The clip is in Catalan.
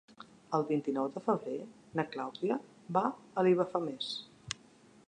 El vint-i-nou de febrer na Clàudia va a Vilafamés.